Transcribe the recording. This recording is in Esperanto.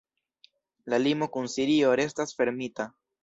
La limo kun Sirio restas fermita.